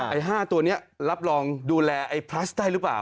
ไอ้๕ตัวนี้รับรองดูแลไอ้พลัสได้หรือเปล่า